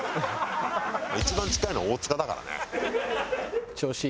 一番近いのは大塚だからね。